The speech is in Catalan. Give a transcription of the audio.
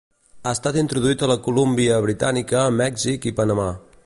Ha estat introduït a la Colúmbia Britànica, Mèxic i Panamà.